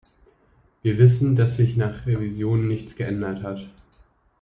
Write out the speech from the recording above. Wir wissen, dass sich nach Revisionen nichts geändert hat.